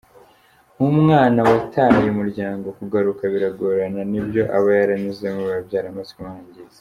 Nk’umwana wataye umuryango kugaruka biragorana n’ibyo aba yaranyuzemo biba byaramaze kumwangiza.